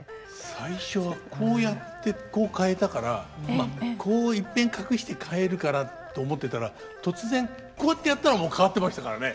最初はこうやってこう変えたからまあこういっぺん隠して変えるからと思ってたら突然こうってやったらもう変わってましたからね。